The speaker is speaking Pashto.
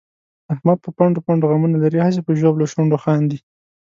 احمد په پنډو پنډو غمونه لري، هسې په ژبلو شونډو خاندي.